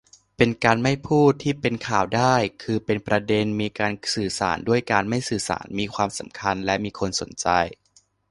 เป็นการ'ไม่พูด'ที่เป็นข่าวได้ คือเป็นประเด็น มีการสื่อสารด้วยการไม่สื่อสาร มีความสำคัญ และมีคนสนใจ